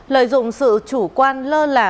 lợi dụng sự chủ quan lơ là